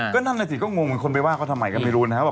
ก็นั่นแหละจริงตลอดไปว่าเขาทำไมก็ไม่รู้นะครับ